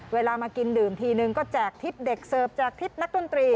เวลามากินดื่มทีนึงก็แจกทริปเด็กเสิร์ฟจากทริปนักดนตรี